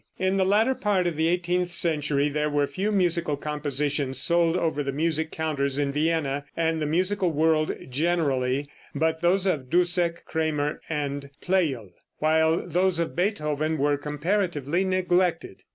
In the latter part of the eighteenth century there were few musical compositions sold over the music counters in Vienna and the musical world generally, but those of Dussek, Cramer and Pleyel, while those of Beethoven were comparatively neglected.